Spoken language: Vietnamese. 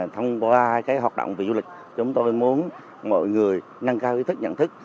thông qua hoạt động về du lịch chúng tôi muốn mọi người nâng cao ý thức nhận thức